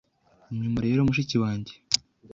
Nyuma rero mushiki wanjye